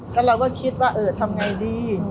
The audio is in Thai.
ก็เราก็คิดว่าเออทำไงดี